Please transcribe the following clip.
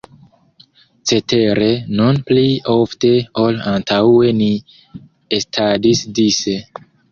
Cetere, nun pli ofte ol antaŭe ni estadis dise.